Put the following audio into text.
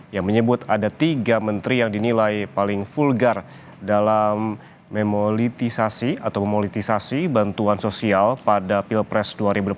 yang menyebut ada tiga menteri yang dinilai paling vulgar dalam memolitisasi atau memolitisasi bantuan sosial pada pilpres dua ribu dua puluh